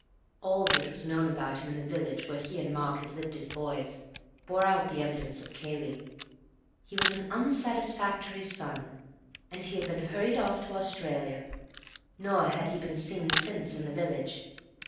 All that was known about him in the village where he and Mark had lived as boys bore out the evidence of Cayley. He was an unsatisfactory son, and he had been hurried off to Australia; nor had he been seen since in the village.